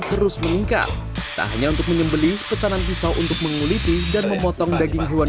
terus meningkat tak hanya untuk menyembeli pesanan pisau untuk menguliti dan memotong daging hewan